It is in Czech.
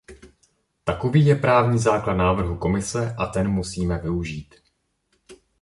Takový je právní základ návrhu Komise a ten musíme využít.